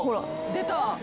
出た。